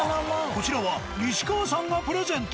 こちらは「西川」さんがプレゼント。